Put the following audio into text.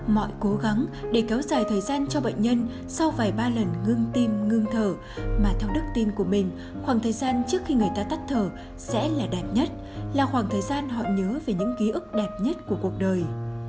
mọi cố gắng để kéo dài thời gian cho bệnh nhân sau vài ba lần ngưng tim ngưng thở mà theo đức tin của mình khoảng thời gian trước khi người ta tắt thở sẽ là đẹp nhất là khoảng thời gian họ nhớ về những ký ức đẹp nhất của cuộc đời